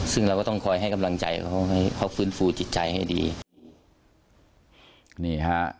ซึ่งเราก็ต้องคอยให้กำลังใจเขาให้เขาฟื้นฟูจิตใจให้ดีนี่ฮะ